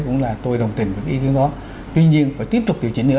cũng là tôi đồng tình với ý kiến đó tuy nhiên phải tiếp tục điều chỉnh nữa